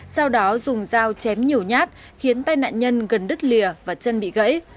sau đó dùng dao chém nhiều nhát khiến tai nạn nhân gần đứt lìa và chân bị gãy